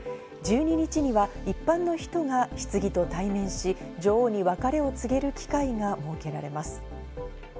１２日には一般の人がひつぎと対面し、女王に別れを告げる機会が設けられます。